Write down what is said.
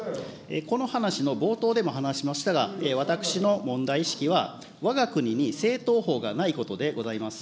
この話の冒頭でも話しましたが、私の問題意識は、わが国に政党法がないことでございます。